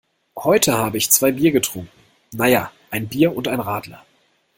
Heute habe ich zwei Bier getrunken. Na ja, ein Bier und ein Radler.